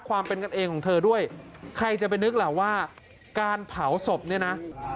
ความเป็นกันเองของเธอด้วยใครจะไปนึกล่ะว่าการเผาศพเนี่ยนะ